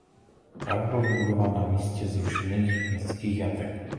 Park byl vybudován na místě zrušených městských jatek.